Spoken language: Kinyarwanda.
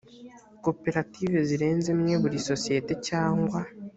koperative zirenze imwe buri sosiyete cyangwa